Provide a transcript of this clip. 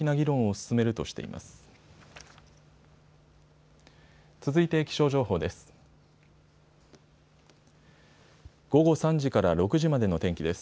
続いて気象情報です。